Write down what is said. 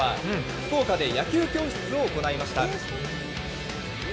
福岡で野球教室を行いました。